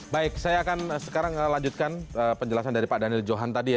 baik saya akan sekarang lanjutkan penjelasan dari pak daniel johan tadi ya